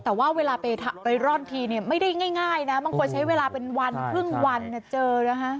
แต่ว่าเวลาไปร่อนทีเนี่ยไม่ได้ง่ายนะบางคนใช้เวลาเป็นวันครึ่งวันเจอนะฮะ